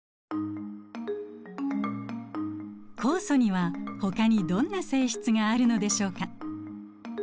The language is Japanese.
酵素にはほかにどんな性質があるのでしょうか？